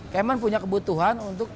kemhan punya kebutuhan untuk